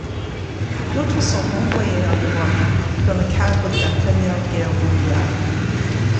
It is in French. D'autres sont envoyés en Europe dans le cadre de la Première Guerre mondiale.